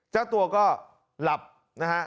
เจ้าตัวก็หลับนะฮะ